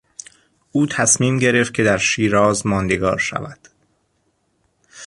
او تصمیم گرفت که در شیراز ماندگار شود.